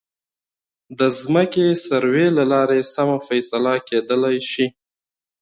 د ځمکې سروې له لارې سمه فیصله کېدلی شي.